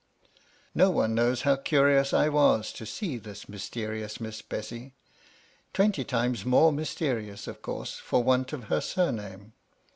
No one knows how curious I was to see this myste rious Mass Bessy — ^twenty times more mysterious, of course, for want of her surname.